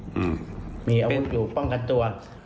อืมมีอาวุธอยู่ป้องกันตัว